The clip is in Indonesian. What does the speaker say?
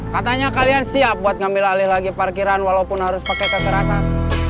katanya kalian siap buat ngambil alih lagi parkiran walaupun harus pakai kekerasan